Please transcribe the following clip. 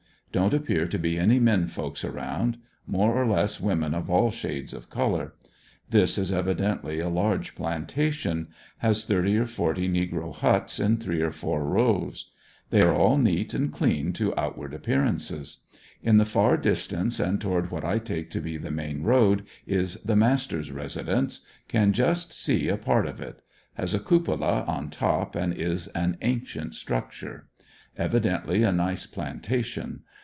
Don't appear to be any men folks around ; more or less women of all shades of color. This is evi dently a large plantation; has thirty or forty negro huts in three or four rows. They are all neat and clean to outward appearances. In the far distance and toward what I take to be the main road is the master's residence. Can just see a part of it. Has a cupola on top and is an ancient structure. Evidently a nice plantation.